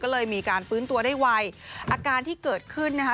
ก็เลยมีการฟื้นตัวได้ไวอาการที่เกิดขึ้นนะคะ